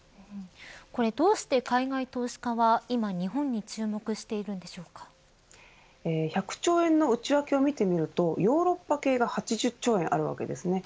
これ、どうして海外投資家は今日本に１００兆円の内訳を見てみるとヨーロッパ系が８０兆円あるわけです。